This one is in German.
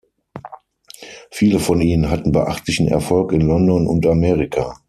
Viele von ihnen hatten beachtlichen Erfolg in London und Amerika.